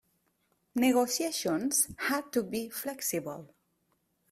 Negotiations had to be flexible.